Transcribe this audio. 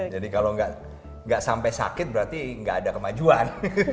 jadi kalau gak sampai sakit berarti gak ada kemajuan